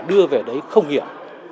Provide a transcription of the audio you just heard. đưa về đấy không hiểu